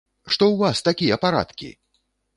Што ў вас такія парадкі!